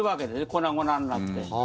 粉々になって。